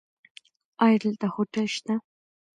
ایا دلته هوټل شته؟